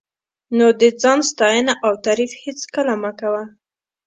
نو د ځان ستاینه او تعریف هېڅکله مه کوه.